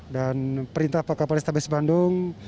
dan perintah pak kapol estabes bandung